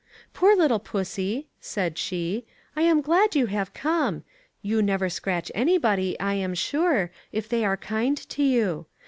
"Poor little pussy," said she, "I am glad you have come. You never scratch any body, I am sure, if they are kind to you.